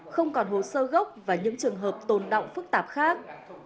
không còn hồ sơ gốc và những trường hợp tồn động phức tạp khác